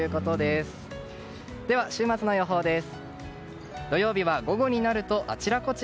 それでは週末の予報です。